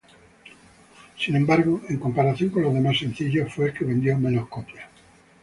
Sin embargo, en comparación con los demás sencillos fue el que vendió menos copias.